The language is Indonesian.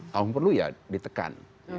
tahun perlu ya ditekan